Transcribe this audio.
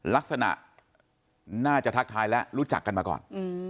ลักษณะน่าจะทักทายและรู้จักกันมาก่อน